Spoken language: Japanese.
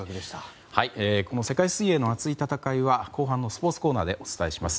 この世界水泳の熱い戦いは後半のスポーツコーナーでお伝えします。